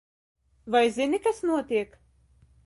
Vai zini, kas notiek?